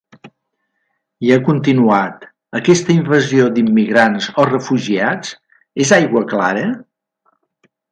I ha continuat: Aquesta invasió d’immigrants o refugiats és aigua clara?